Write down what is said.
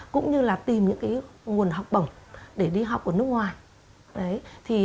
cũng như là tìm những nguồn học bổng để đi học ở nước ngoài